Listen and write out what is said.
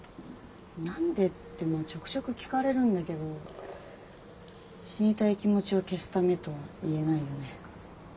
何でってまあちょくちょく聞かれるんだけど死にたい気持ちを消すためとは言えないよね。